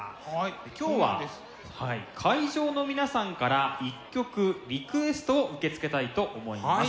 今日は会場の皆さんから１曲リクエストを受け付けたいと思います。